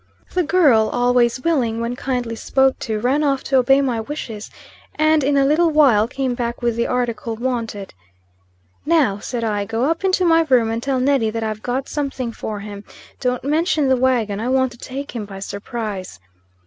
The girl, always willing, when kindly spoke to, ran off to obey my wishes, and in a little while came back with the article wanted. "Now," said I, "go up into my room and tell Neddy that I've got something for him. Don't mention the wagon; I want to take him by surprise."